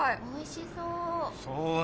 おいしそう。